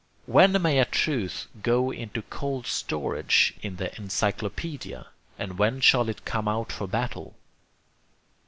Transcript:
When may a truth go into cold storage in the encyclopedia? and when shall it come out for battle?